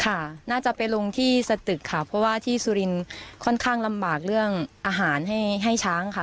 ค่ะน่าจะไปลงที่สตึกค่ะเพราะว่าที่สุรินทร์ค่อนข้างลำบากเรื่องอาหารให้ให้ช้างค่ะ